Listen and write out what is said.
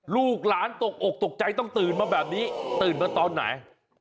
ลูกหลานตกอกตกใจต้องตื่นมาแบบนี้ตื่นมาตอนไหน